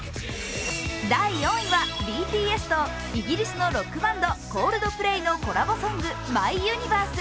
第４位は、ＢＴＳとイギリスのロックバンドＣｏｌｄｐｌａｙのコラボソング、「ＭｙＵｎｉｖｅｒｓｅ」。